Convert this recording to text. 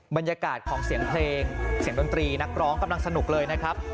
บรรยากาศของเสียงเพลงเสียงดนตรีนักร้องกำลังสนุกเลยนะครับ